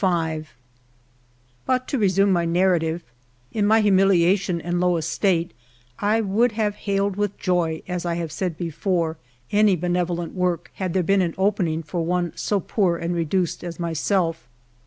29 But to resume my narrative : in my humiliation and low estate I would have hailed with joy, as I have said before, any benevolent work, had there been an opening for one so poor and reduced as myself.